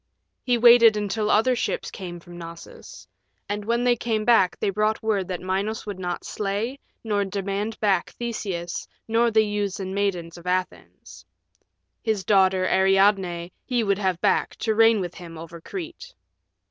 He waited until other ships came from Knossos. And when they came they brought word that Minos would not slay nor demand back Theseus nor the youths and maidens of Athens. His daughter, Ariadne, he would have back, to reign with him over Crete.